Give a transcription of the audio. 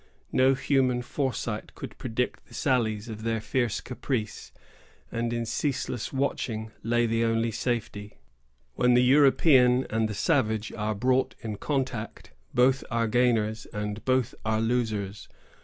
No human foresight could predict the sallies of their fierce caprice, and in ceaseless watching lay the only safety. When the European and the savage are brought in contact, both are gainers, and both are losers.